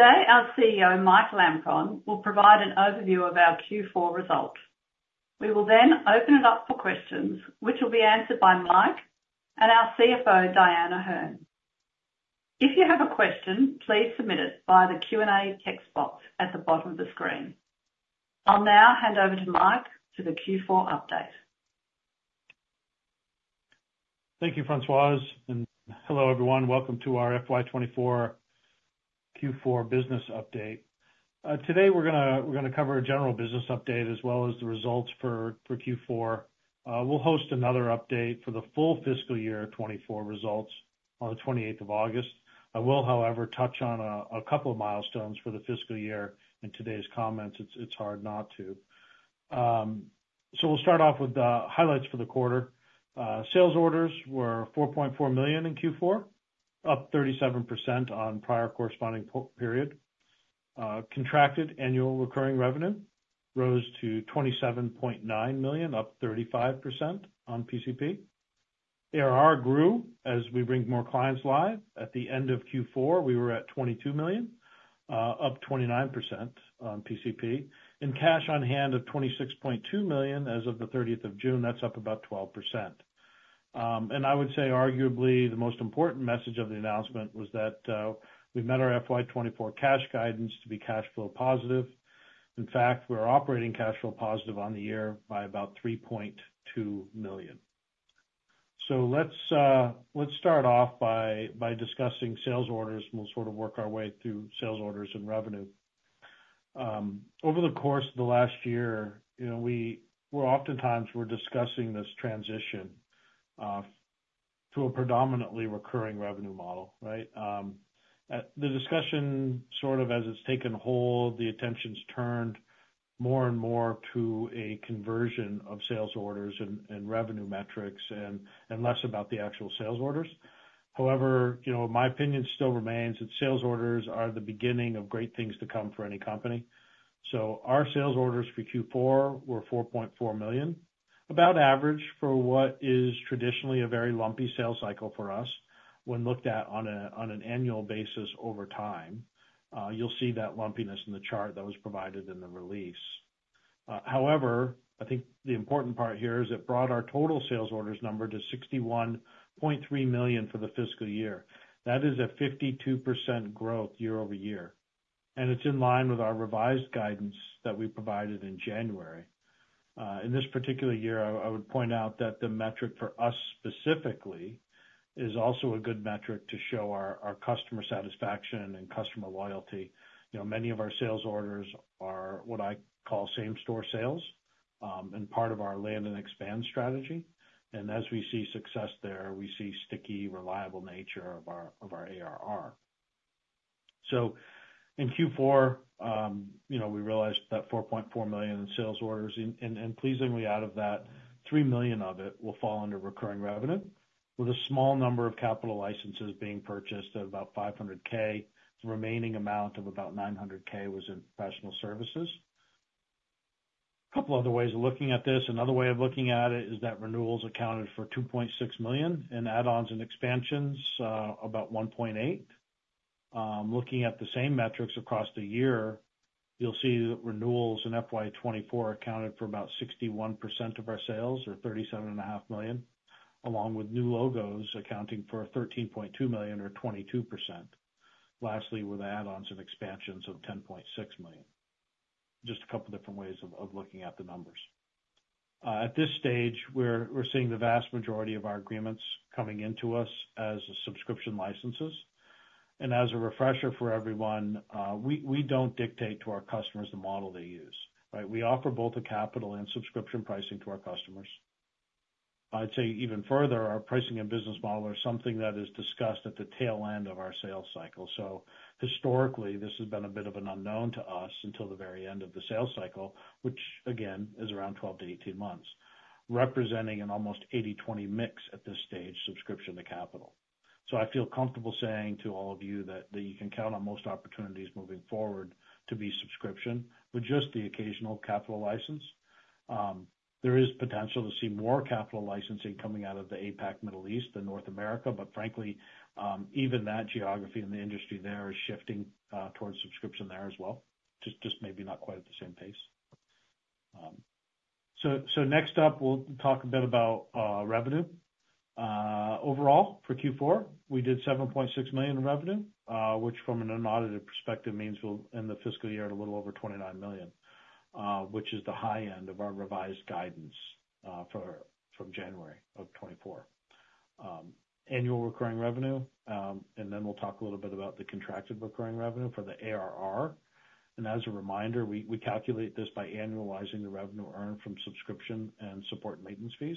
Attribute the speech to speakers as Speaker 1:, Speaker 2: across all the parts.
Speaker 1: Today, our CEO, Mike Lampron, will provide an overview of our Q4 result. We will then open it up for questions, which will be answered by Mike and our CFO, Dyan O'Herne. If you have a question, please submit it by the Q&A text box at the bottom of the screen. I'll now hand over to Mike for the Q4 update.
Speaker 2: Thank you, Françoise and hello everyone. Welcome to our FY24 Q4 business update. Today we're going to cover a general business update as well as the results for Q4. We'll host another update for the full fiscal year 24 results on the 28th of August. I will, however, touch on a couple of milestones for the fiscal year in today's comments. It's hard not to. So we'll start off with the highlights for the quarter. Sales orders were 4.4 million in Q4, up 37% on prior corresponding period. Contracted annual recurring revenue rose to 27.9 million, up 35% on PCP. ARR grew as we bring more clients live. At the end of Q4, we were at 22 million, up 29% on PCP. In cash on hand of 26.2 million as of the 30th of June, that's up about 12%. I would say arguably the most important message of the announcement was that we met our FY24 cash guidance to be cash flow positive. In fact, we're operating cash flow positive on the year by about 3.2 million. Let's start off by discussing sales orders. We'll sort of work our way through sales orders and revenue. Over the course of the last year, we were oftentimes discussing this transition to a predominantly recurring revenue model, right? The discussion sort of as it's taken hold, the attention's turned more and more to a conversion of sales orders and revenue metrics and less about the actual sales orders. However, my opinion still remains that sales orders are the beginning of great things to come for any company. So our sales orders for Q4 were 4.4 million, about average for what is traditionally a very lumpy sales cycle for us when looked at on an annual basis over time. You'll see that lumpiness in the chart that was provided in the release. However, I think the important part here is it brought our total sales orders number to 61.3 million for the fiscal year. That is a 52% growth year-over-year. And it's in line with our revised guidance that we provided in January. In this particular year, I would point out that the metric for us specifically is also a good metric to show our customer satisfaction and customer loyalty. Many of our sales orders are what I call same-store sales and part of our land and expand strategy. And as we see success there, we see sticky, reliable nature of our ARR. So in Q4, we realized 4.4 million in sales orders, and pleasingly out of that, 3 million of it will fall under recurring revenue, with a small number of capital licenses being purchased at about 500K. The remaining amount of about 900K was in professional services. A couple of other ways of looking at this. Another way of looking at it is that renewals accounted for 2.6 million in add-ons and expansions, about 1.8 million. Looking at the same metrics across the year, you'll see that renewals in FY24 accounted for about 61% of our sales, or 37.5 million, along with new logos accounting for 13.2 million, or 22%. Lastly, with add-ons and expansions of 10.6 million. Just a couple of different ways of looking at the numbers. At this stage, we're seeing the vast majority of our agreements coming into us as subscription licenses. As a refresher for everyone, we don't dictate to our customers the model they use, right? We offer both a capital and subscription pricing to our customers. I'd say even further, our pricing and business model are something that is discussed at the tail end of our sales cycle. Historically, this has been a bit of an unknown to us until the very end of the sales cycle, which again is around 12-18 months, representing an almost 80/20 mix at this stage, subscription to capital. I feel comfortable saying to all of you that you can count on most opportunities moving forward to be subscription with just the occasional capital license. There is potential to see more capital licensing coming out of the APAC, Middle East, and North America, but frankly, even that geography and the industry there is shifting towards subscription there as well, just maybe not quite at the same pace. So next up, we'll talk a bit about revenue. Overall, for Q4, we did 7.6 million in revenue, which from an audited perspective means in the fiscal year a little over 29 million, which is the high end of our revised guidance from January of 2024. Annual recurring revenue, and then we'll talk a little bit about the contracted recurring revenue for the ARR. And as a reminder, we calculate this by annualizing the revenue earned from subscription and support maintenance fees.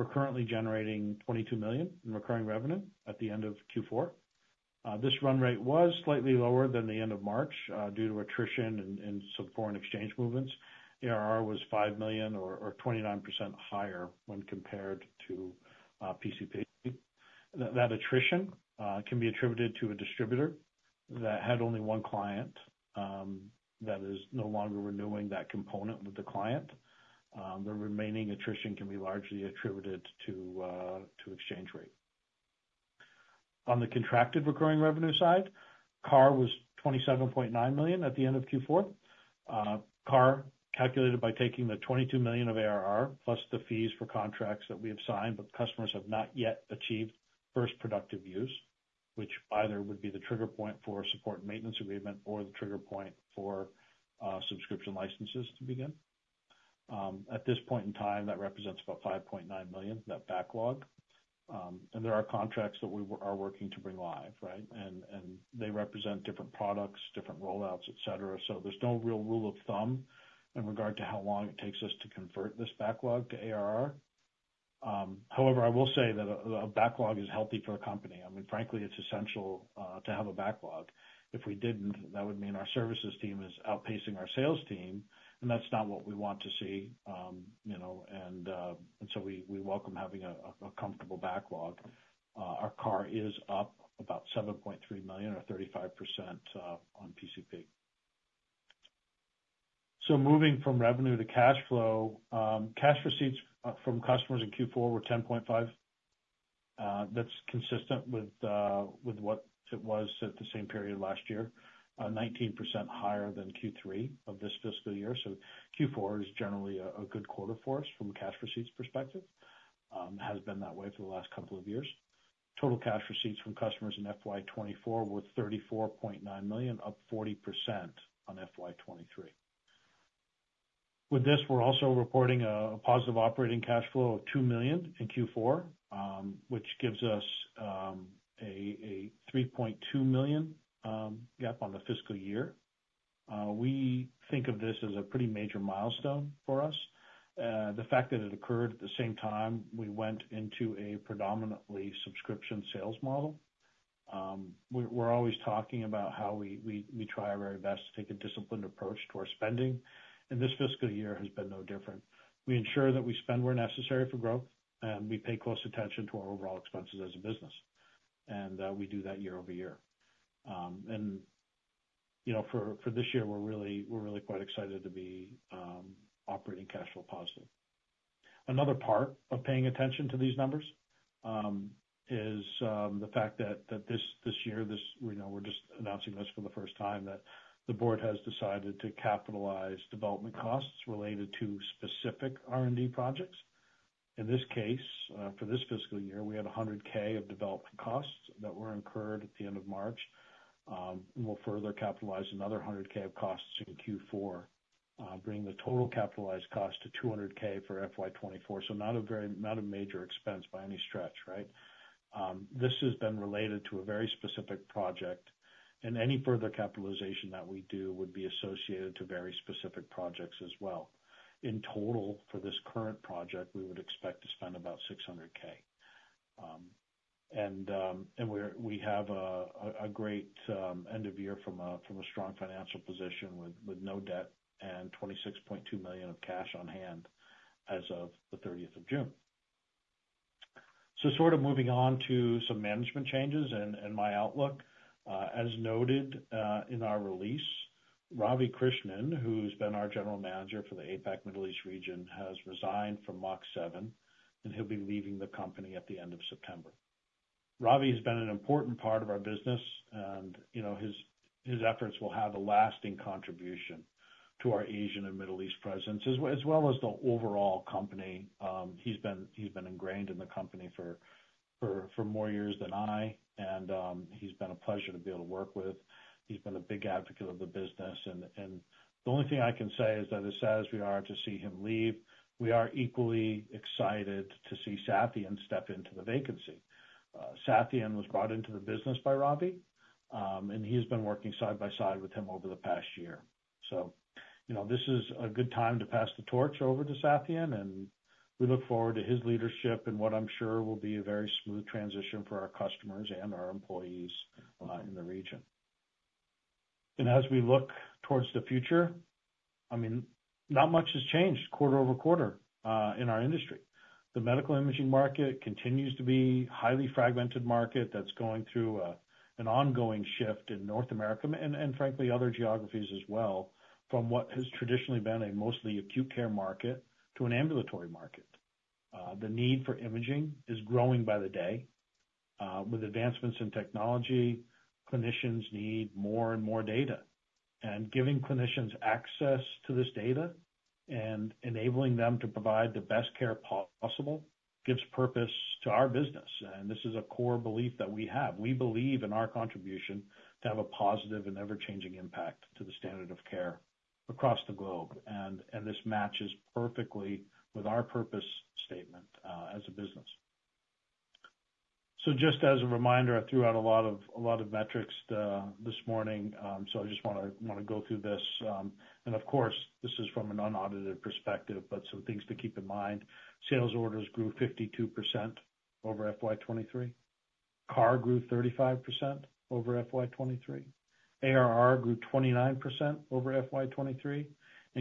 Speaker 2: We're currently generating 22 million in recurring revenue at the end of Q4. This run rate was slightly lower than the end of March due to attrition and some foreign exchange movements. ARR was 5 million or 29% higher when compared to PCP. That attrition can be attributed to a distributor that had only one client that is no longer renewing that component with the client. The remaining attrition can be largely attributed to exchange rate. On the contracted recurring revenue side, CAR was 27.9 million at the end of Q4. CAR calculated by taking the 22 million of ARR plus the fees for contracts that we have signed, but customers have not yet achieved first productive use, which either would be the trigger point for a support maintenance agreement or the trigger point for subscription licenses to begin. At this point in time, that represents about 5.9 million, that backlog. And there are contracts that we are working to bring live, right? They represent different products, different rollouts, etc. So there's no real rule of thumb in regard to how long it takes us to convert this backlog to ARR. However, I will say that a backlog is healthy for a company. I mean, frankly, it's essential to have a backlog. If we didn't, that would mean our services team is outpacing our sales team, and that's not what we want to see. And so we welcome having a comfortable backlog. Our CAR is up about 7.3 million, or 35% on PCP. So moving from revenue to cash flow, cash receipts from customers in Q4 were 10.5 million. That's consistent with what it was at the same period last year, 19% higher than Q3 of this fiscal year. So Q4 is generally a good quarter for us from a cash receipts perspective. It has been that way for the last couple of years. Total cash receipts from customers in FY24 were 34.9 million, up 40% on FY23. With this, we're also reporting a positive operating cash flow of 2 million in Q4, which gives us a 3.2 million gap on the fiscal year. We think of this as a pretty major milestone for us. The fact that it occurred at the same time we went into a predominantly subscription sales model. We're always talking about how we try our very best to take a disciplined approach to our spending. This fiscal year has been no different. We ensure that we spend where necessary for growth, and we pay close attention to our overall expenses as a business. We do that year-over-year. For this year, we're really quite excited to be operating cash flow positive. Another part of paying attention to these numbers is the fact that this year, we're just announcing this for the first time, that the board has decided to capitalize development costs related to specific R&D projects. In this case, for this fiscal year, we had 100,000 of development costs that were incurred at the end of March. We'll further capitalize another 100,000 of costs in Q4, bringing the total capitalized cost to 200,000 for FY24. So not a major expense by any stretch, right? This has been related to a very specific project, and any further capitalization that we do would be associated to very specific projects as well. In total, for this current project, we would expect to spend about 600,000. We have a great end of year from a strong financial position with no debt and 26.2 million of cash on hand as of the 30th of June. Sort of moving on to some management changes and my outlook. As noted in our release, Ravi Krishnan, who's been our general manager for the APAC Middle East region, has resigned from Mach7, and he'll be leaving the company at the end of September. Ravi has been an important part of our business, and his efforts will have a lasting contribution to our Asian and Middle East presence, as well as the overall company. He's been ingrained in the company for more years than I, and he's been a pleasure to be able to work with. He's been a big advocate of the business. The only thing I can say is that as sad as we are to see him leave, we are equally excited to see Sathiyan step into the vacancy. Sathiyan was brought into the business by Ravi, and he has been working side by side with him over the past year. So this is a good time to pass the torch over to Sathiyan, and we look forward to his leadership and what I'm sure will be a very smooth transition for our customers and our employees in the region. As we look towards the future, I mean, not much has changed quarter-over-quarter in our industry. The medical imaging market continues to be a highly fragmented market that's going through an ongoing shift in North America and, frankly, other geographies as well, from what has traditionally been a mostly acute care market to an ambulatory market. The need for imaging is growing by the day. With advancements in technology, clinicians need more and more data. Giving clinicians access to this data and enabling them to provide the best care possible gives purpose to our business. This is a core belief that we have. We believe in our contribution to have a positive and ever-changing impact to the standard of care across the globe. This matches perfectly with our purpose statement as a business. Just as a reminder, I threw out a lot of metrics this morning, so I just want to go through this. Of course, this is from an unaudited perspective, but some things to keep in mind. Sales orders grew 52% over FY 2023. CAR grew 35% over FY 2023. ARR grew 29% over FY 2023.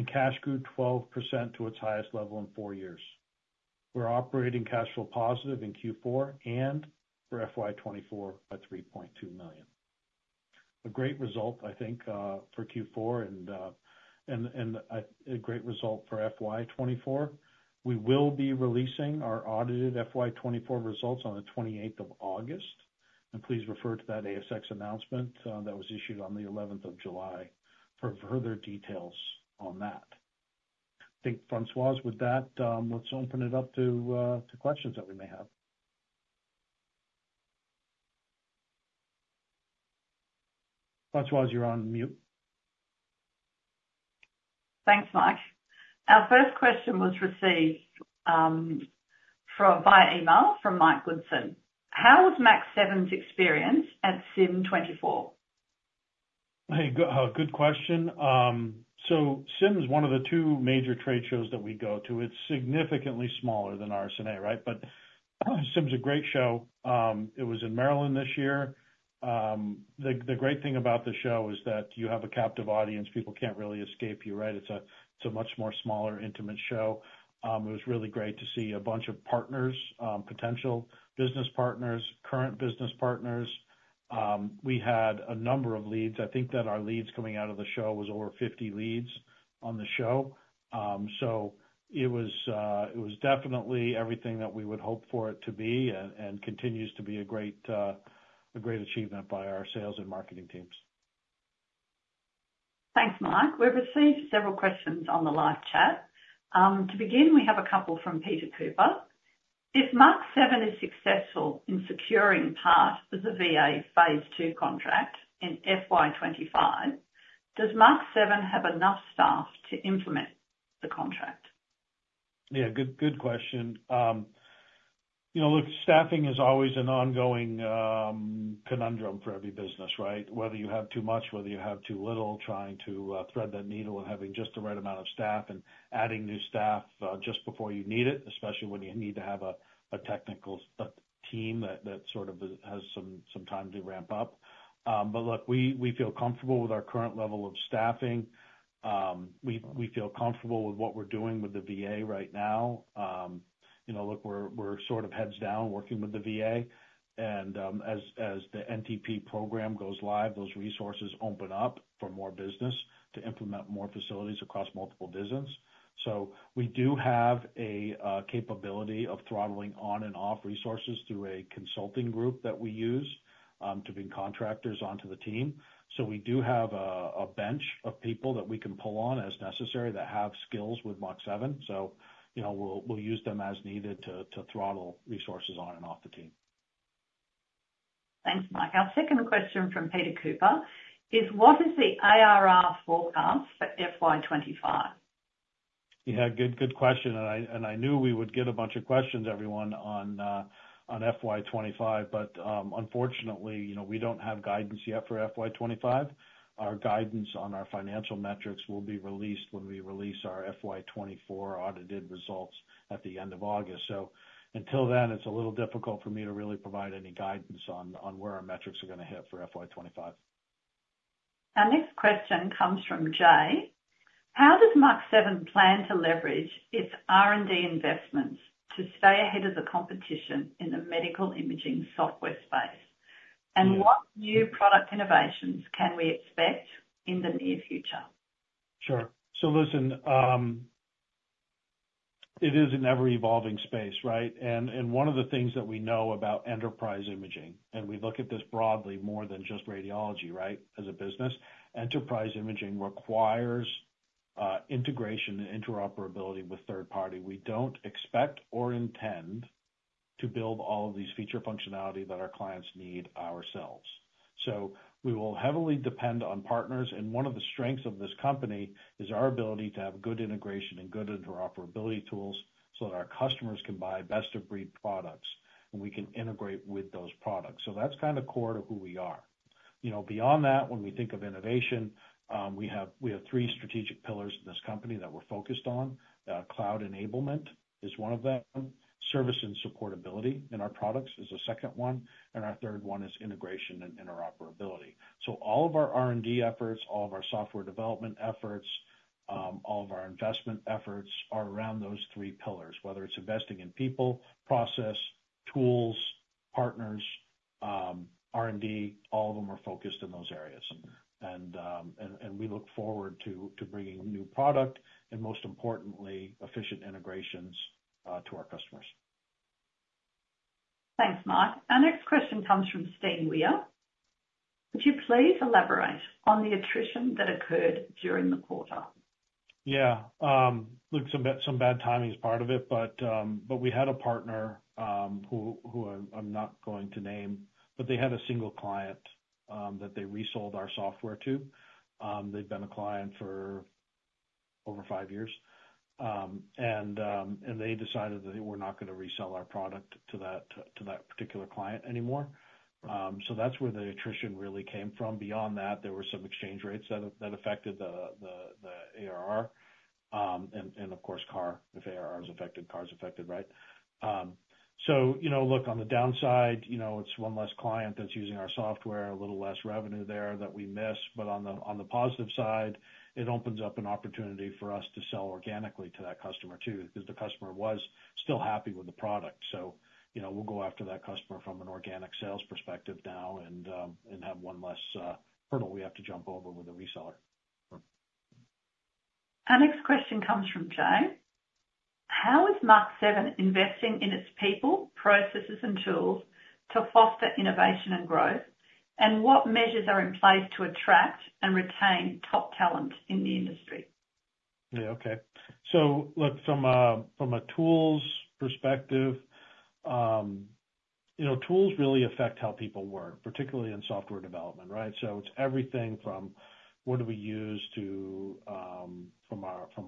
Speaker 2: Cash grew 12% to its highest level in four years. We're operating cash flow positive in Q4 and for FY24 by 3.2 million. A great result, I think, for Q4 and a great result for FY24. We will be releasing our audited FY24 results on the 28th of August. Please refer to that ASX announcement that was issued on the 11th of July for further details on that. I think, Françoise, with that, let's open it up to questions that we may have. Françoise, you're on mute.
Speaker 1: Thanks, Mike. Our first question was received via email from Mike Goodson. How was Mach7's experience at SIIM24?
Speaker 2: Hey, good question. So SIM is one of the two major trade shows that we go to. It's significantly smaller than RSNA, right? But SIM is a great show. It was in Maryland this year. The great thing about the show is that you have a captive audience. People can't really escape you, right? It's a much more smaller, intimate show. It was really great to see a bunch of partners, potential business partners, current business partners. We had a number of leads. I think that our leads coming out of the show was over 50 leads on the show. So it was definitely everything that we would hope for it to be and continues to be a great achievement by our sales and marketing teams.
Speaker 1: Thanks, Mike. We've received several questions on the live chat. To begin, we have a couple from Peter Cooper. If Mach7 is successful in securing part of the VA phase two contract in FY2025, does Mach7 have enough staff to implement the contract?
Speaker 2: Yeah, good question. Look, staffing is always an ongoing conundrum for every business, right? Whether you have too much, whether you have too little, trying to thread that needle and having just the right amount of staff and adding new staff just before you need it, especially when you need to have a technical team that sort of has some time to ramp up. But look, we feel comfortable with our current level of staffing. We feel comfortable with what we're doing with the VA right now. Look, we're sort of heads down working with the VA. And as the NTP program goes live, those resources open up for more business to implement more facilities across multiple visits. So we do have a capability of throttling on and off resources through a consulting group that we use to bring contractors onto the team. So we do have a bench of people that we can pull on as necessary that have skills with Mach7. So we'll use them as needed to throttle resources on and off the team.
Speaker 1: Thanks, Mike. Our second question from Peter Cooper is, what is the ARR forecast for FY25?
Speaker 2: Yeah, good question. I knew we would get a bunch of questions, everyone, on FY25, but unfortunately, we don't have guidance yet for FY25. Our guidance on our financial metrics will be released when we release our FY24 audited results at the end of August. Until then, it's a little difficult for me to really provide any guidance on where our metrics are going to hit for FY25.
Speaker 1: Our next question comes from Jay. How does Mach7 plan to leverage its R&D investments to stay ahead of the competition in the medical imaging software space? And what new product innovations can we expect in the near future?
Speaker 2: Sure. So listen, it is an ever-evolving space, right? One of the things that we know about enterprise imaging, and we look at this broadly more than just radiology, right? As a business, enterprise imaging requires integration and interoperability with third party. We don't expect or intend to build all of these feature functionality that our clients need ourselves. So we will heavily depend on partners. And one of the strengths of this company is our ability to have good integration and good interoperability tools so that our customers can buy best-of-breed products and we can integrate with those products. So that's kind of core to who we are. Beyond that, when we think of innovation, we have three strategic pillars in this company that we're focused on. Cloud enablement is one of them. Service and supportability in our products is the second one. And our third one is integration and interoperability. So all of our R&D efforts, all of our software development efforts, all of our investment efforts are around those three pillars, whether it's investing in people, process, tools, partners, R&D, all of them are focused in those areas. And we look forward to bringing new product and, most importantly, efficient integrations to our customers.
Speaker 1: Thanks, Mike. Our next question comes from Steve Wheen. Would you please elaborate on the attrition that occurred during the quarter?
Speaker 2: Yeah. Look, some bad timing is part of it, but we had a partner who I'm not going to name, but they had a single client that they resold our software to. They've been a client for over five years. And they decided that they were not going to resell our product to that particular client anymore. So that's where the attrition really came from. Beyond that, there were some exchange rates that affected the ARR. And of course, CAR, if ARR is affected, CAR is affected, right? So look, on the downside, it's one less client that's using our software, a little less revenue there that we miss. But on the positive side, it opens up an opportunity for us to sell organically to that customer too because the customer was still happy with the product. So we'll go after that customer from an organic sales perspective now and have one less hurdle we have to jump over with a reseller.
Speaker 1: Our next question comes from Jay. How is Mach7 investing in its people, processes, and tools to foster innovation and growth? And what measures are in place to attract and retain top talent in the industry?
Speaker 2: Yeah, okay. So look, from a tools perspective, tools really affect how people work, particularly in software development, right? So it's everything from what do we use from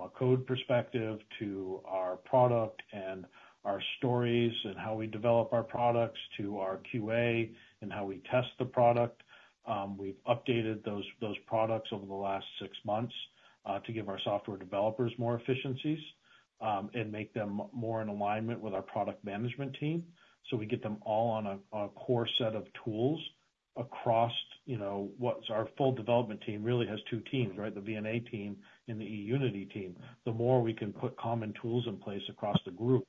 Speaker 2: a code perspective to our product and our stories and how we develop our products to our QA and how we test the product. We've updated those products over the last six months to give our software developers more efficiencies and make them more in alignment with our product management team. So we get them all on a core set of tools across what our full development team really has two teams, right? The VNA team and the eUnity team. The more we can put common tools in place across the group,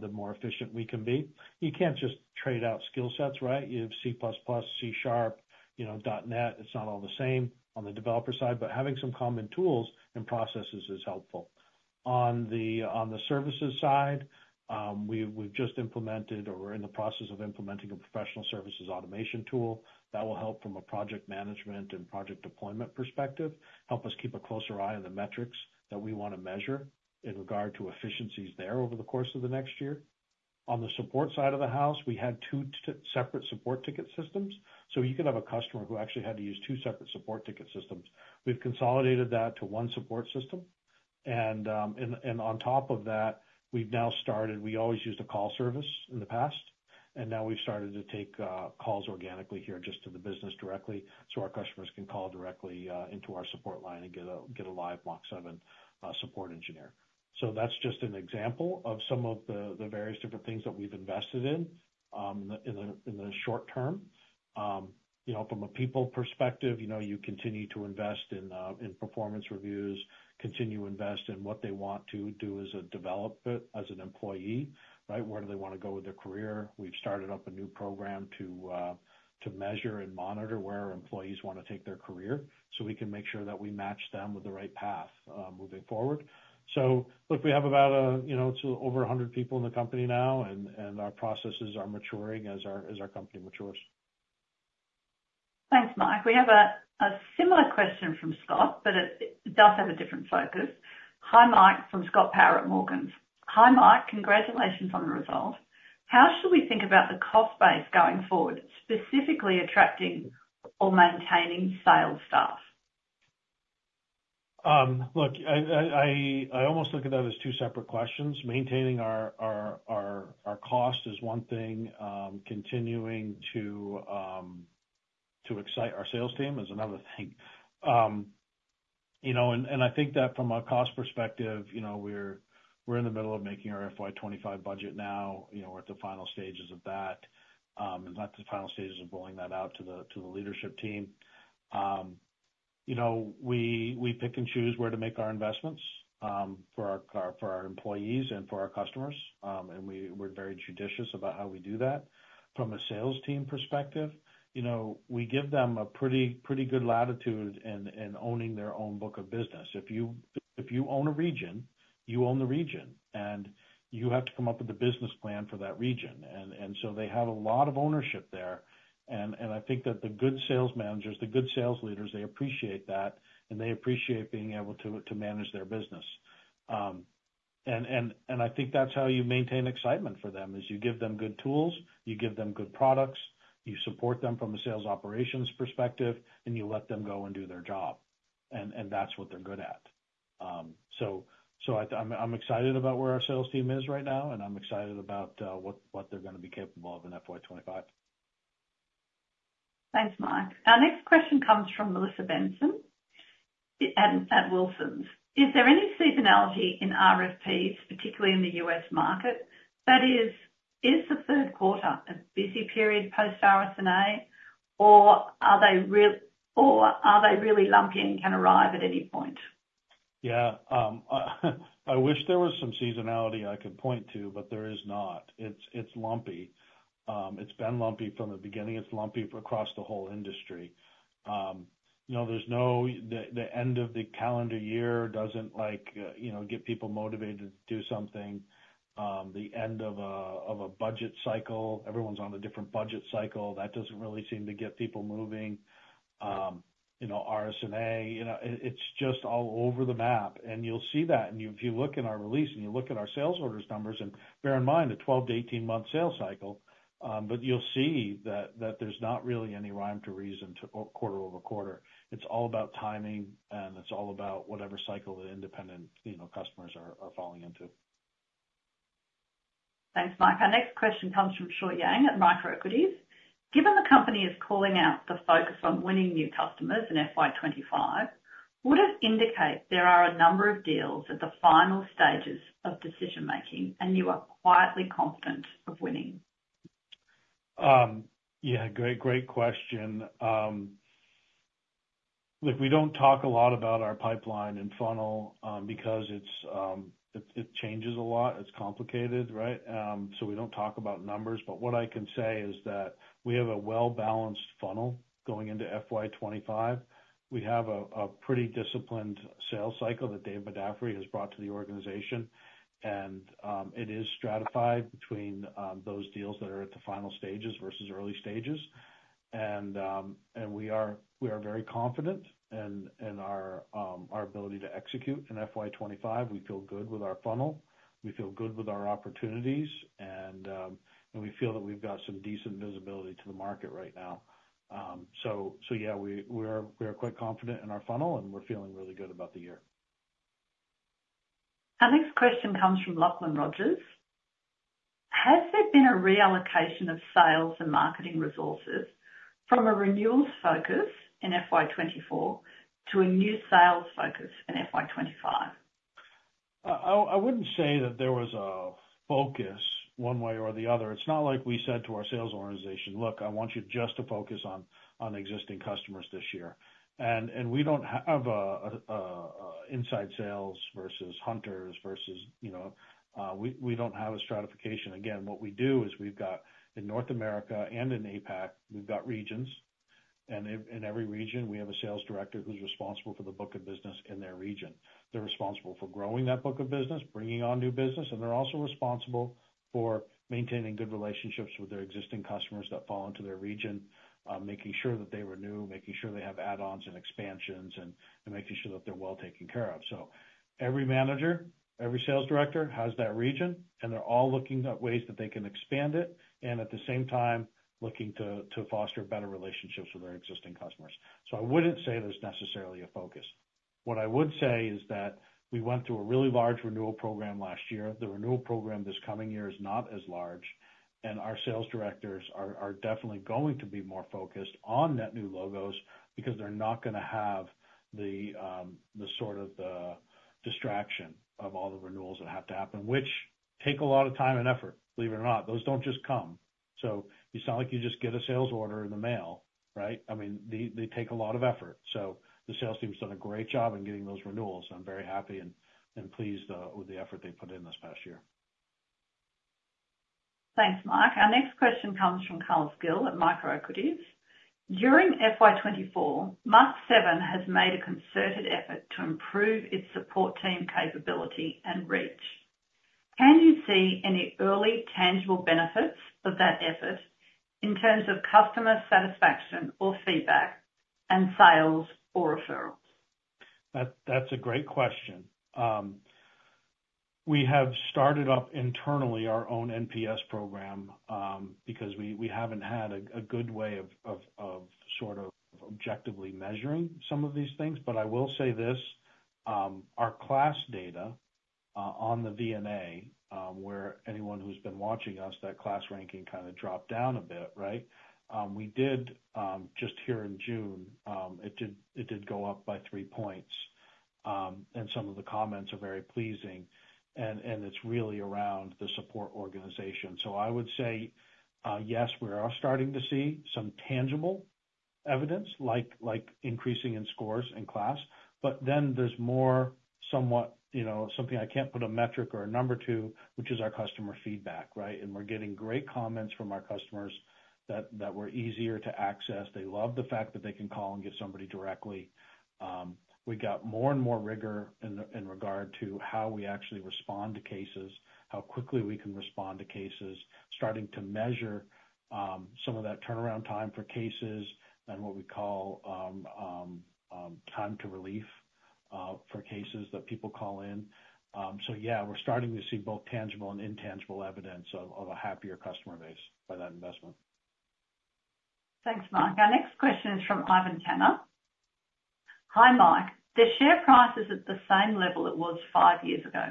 Speaker 2: the more efficient we can be. You can't just trade out skill sets, right? You have C++, C#, .NET. It's not all the same on the developer side, but having some common tools and processes is helpful. On the services side, we've just implemented or we're in the process of implementing a professional services automation tool that will help from a project management and project deployment perspective, help us keep a closer eye on the metrics that we want to measure in regard to efficiencies there over the course of the next year. On the support side of the house, we had two separate support ticket systems. So you could have a customer who actually had to use two separate support ticket systems. We've consolidated that to one support system. And on top of that, we've now started, we always used a call service in the past, and now we've started to take calls organically here just to the business directly so our customers can call directly into our support line and get a live Mach7 support engineer. So that's just an example of some of the various different things that we've invested in in the short term. From a people perspective, you continue to invest in performance reviews, continue to invest in what they want to do as a developer, as an employee, right? Where do they want to go with their career? We've started up a new program to measure and monitor where our employees want to take their career so we can make sure that we match them with the right path moving forward. So look, we have about, it's over 100 people in the company now, and our processes are maturing as our company matures.
Speaker 1: Thanks, Mike. We have a similar question from Scott, but it does have a different focus. Hi, Mike, from Scott Power at Morgans. Hi, Mike. Congratulations on the result. How should we think about the cost base going forward, specifically attracting or maintaining sales staff?
Speaker 2: Look, I almost look at that as two separate questions. Maintaining our cost is one thing. Continuing to excite our sales team is another thing. And I think that from a cost perspective, we're in the middle of making our FY25 budget now. We're at the final stages of that, not the final stages of rolling that out to the leadership team. We pick and choose where to make our investments for our employees and for our customers. We're very judicious about how we do that. From a sales team perspective, we give them a pretty good latitude in owning their own book of business. If you own a region, you own the region. You have to come up with a business plan for that region. So they have a lot of ownership there. I think that the good sales managers, the good sales leaders, they appreciate that. They appreciate being able to manage their business. I think that's how you maintain excitement for them, is you give them good tools, you give them good products, you support them from a sales operations perspective, and you let them go and do their job. That's what they're good at. So I'm excited about where our sales team is right now, and I'm excited about what they're going to be capable of in FY25.
Speaker 1: Thanks, Mike. Our next question comes from Melissa Benson at Wilsons. Is there any seasonality in RFPs, particularly in the U.S. market? That is, is the third quarter a busy period post RSNA, or are they really lumpy and can arrive at any point?
Speaker 2: Yeah. I wish there was some seasonality I could point to, but there is not. It's lumpy. It's been lumpy from the beginning. It's lumpy across the whole industry. The end of the calendar year doesn't get people motivated to do something. The end of a budget cycle, everyone's on a different budget cycle. That doesn't really seem to get people moving. RSNA, it's just all over the map. And you'll see that. If you look in our release and you look at our sales orders numbers, and bear in mind the 12-18-month sales cycle, but you'll see that there's not really any rhyme to reason to quarter-over-quarter. It's all about timing, and it's all about whatever cycle the independent customers are falling into.
Speaker 1: Thanks, Mike. Our next question comes from Shuo Yang at Microequities. Given the company is calling out the focus on winning new customers in FY25, would it indicate there are a number of deals at the final stages of decision-making, and you are quietly confident of winning?
Speaker 2: Yeah, great question. Look, we don't talk a lot about our pipeline and funnel because it changes a lot. It's complicated, right? So we don't talk about numbers. But what I can say is that we have a well-balanced funnel going into FY25. We have a pretty disciplined sales cycle that David Madaffri has brought to the organization. It is stratified between those deals that are at the final stages versus early stages. We are very confident in our ability to execute in FY25. We feel good with our funnel. We feel good with our opportunities. We feel that we've got some decent visibility to the market right now. So yeah, we are quite confident in our funnel, and we're feeling really good about the year.
Speaker 1: Our next question comes from Lachlan Rogers. Has there been a reallocation of sales and marketing resources from a renewals focus in FY24 to a new sales focus in FY25?
Speaker 2: I wouldn't say that there was a focus one way or the other. It's not like we said to our sales organization, "Look, I want you just to focus on existing customers this year." And we don't have inside sales versus hunters versus we don't have a stratification. Again, what we do is we've got in North America and in APAC, we've got regions. And in every region, we have a sales director who's responsible for the book of business in their region. They're responsible for growing that book of business, bringing on new business. And they're also responsible for maintaining good relationships with their existing customers that fall into their region, making sure that they renew, making sure they have add-ons and expansions, and making sure that they're well taken care of. So every manager, every sales director has that region, and they're all looking at ways that they can expand it and at the same time looking to foster better relationships with their existing customers. So I wouldn't say there's necessarily a focus. What I would say is that we went through a really large renewal program last year. The renewal program this coming year is not as large. Our sales directors are definitely going to be more focused on net new logos because they're not going to have the sort of distraction of all the renewals that have to happen, which take a lot of time and effort, believe it or not. Those don't just come. So it's not like you just get a sales order in the mail, right? I mean, they take a lot of effort. The sales team's done a great job in getting those renewals. I'm very happy and pleased with the effort they put in this past year.
Speaker 1: Thanks, Mike. Our next question comes from Carlos Gil at Microequities. During FY2024, Mach7 has made a concerted effort to improve its support team capability and reach. Can you see any early tangible benefits of that effort in terms of customer satisfaction or feedback and sales or referrals?
Speaker 2: That's a great question. We have started up internally our own NPS program because we haven't had a good way of sort of objectively measuring some of these things. But I will say this. Our KLAS data on the VNA, where anyone who's been watching us, that KLAS ranking kind of dropped down a bit, right? We did just here in June, it did go up by three points. Some of the comments are very pleasing. It's really around the support organization. I would say, yes, we are starting to see some tangible evidence like increasing in scores in KLAS. But then there's more somewhat something I can't put a metric or a number to, which is our customer feedback, right? And we're getting great comments from our customers that were easier to access. They love the fact that they can call and get somebody directly. We got more and more rigor in regard to how we actually respond to cases, how quickly we can respond to cases, starting to measure some of that turnaround time for cases and what we call time to relief for cases that people call in. So yeah, we're starting to see both tangible and intangible evidence of a happier customer base by that investment.
Speaker 1: Thanks, Mike. Our next question is from Ivan Tanner. Hi, Mike. The share price is at the same level it was five years ago.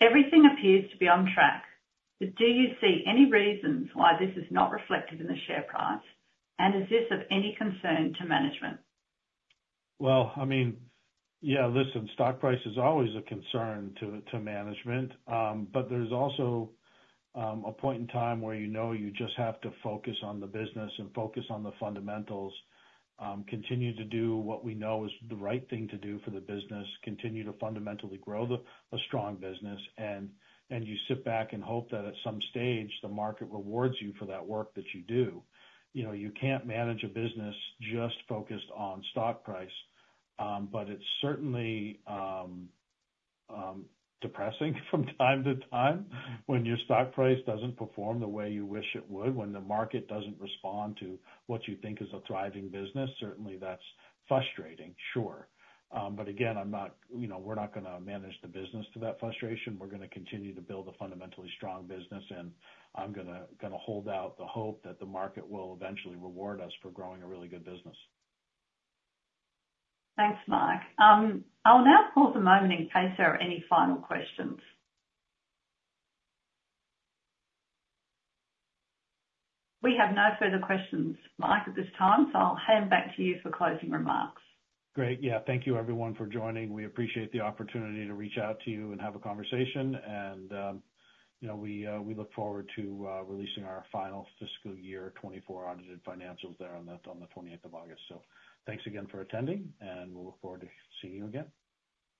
Speaker 1: Everything appears to be on track. Do you see any reasons why this is not reflected in the share price? And is this of any concern to management?
Speaker 2: Well, I mean, yeah, listen, stock price is always a concern to management. But there's also a point in time where you know you just have to focus on the business and focus on the fundamentals, continue to do what we know is the right thing to do for the business, continue to fundamentally grow a strong business. And you sit back and hope that at some stage the market rewards you for that work that you do. You can't manage a business just focused on stock price. But it's certainly depressing from time to time when your stock price doesn't perform the way you wish it would, when the market doesn't respond to what you think is a thriving business. Certainly, that's frustrating, sure. But again, we're not going to manage the business to that frustration. We're going to continue to build a fundamentally strong business. And I'm going to hold out the hope that the market will eventually reward us for growing a really good business.
Speaker 1: Thanks, Mike. I'll now pause a moment in case there are any final questions. We have no further questions, Mike, at this time. So I'll hand back to you for closing remarks.
Speaker 2: Great. Yeah. Thank you, everyone, for joining. We appreciate the opportunity to reach out to you and have a conversation. We look forward to releasing our final fiscal year 2024 audited financials there on the 28th of August. Thanks again for attending. We'll look forward to seeing you again.